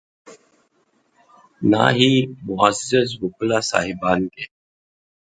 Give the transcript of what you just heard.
نہ ہی معزز وکلا صاحبان کے۔